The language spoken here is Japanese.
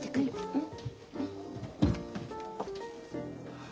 うん。